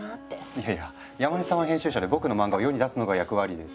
いやいや山根さんは編集者で僕のマンガを世に出すのが役割です。